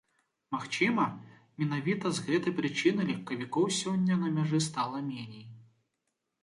Магчыма, менавіта з гэтай прычыны легкавікоў сёння на мяжы стала меней.